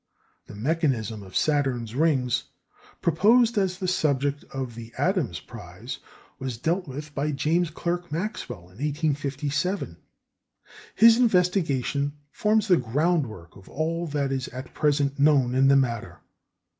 The mechanism of Saturn's rings, proposed as the subject of the Adams Prize, was dealt with by James Clerk Maxwell in 1857. His investigation forms the groundwork of all that is at present known in the matter.